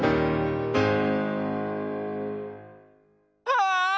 ああ！